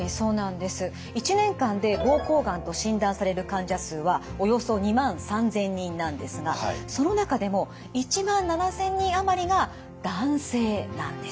１年間で膀胱がんと診断される患者数はおよそ２万３，０００人なんですがその中でも１万７，０００人余りが男性なんです。